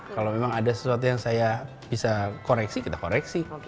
kalau memang ada sesuatu yang saya bisa koreksi kita koreksi